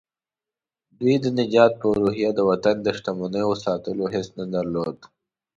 دوی د نجات په روحيه د وطن د شتمنيو د ساتلو حس نه درلود.